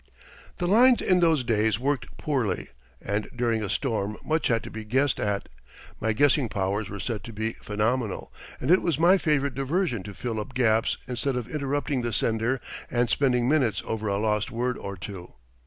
The lines in those days worked poorly, and during a storm much had to be guessed at. My guessing powers were said to be phenomenal, and it was my favorite diversion to fill up gaps instead of interrupting the sender and spending minutes over a lost word or two.